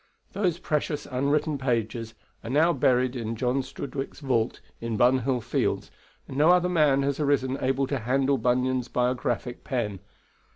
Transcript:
Those precious unwritten pages are now buried in John Strudwick's vault in Bunhill Fields, and no other man has arisen able to handle Bunyan's biographic pen.